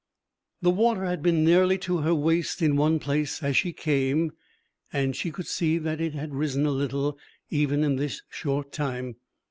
The water had been nearly to her waist in one place as she came, and she could see that it had risen a little, even in this short time.